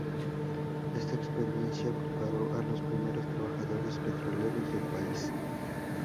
Esta experiencia preparó a los primeros trabajadores petroleros del país.